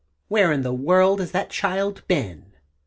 Where in the world has that child been?